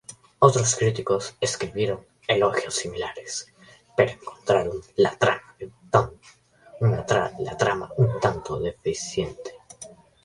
Otros críticos escribieron elogios similares, pero encontraron la trama un tanto deficiente.